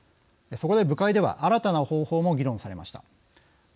そこで、部会では新たな方法も議論されました。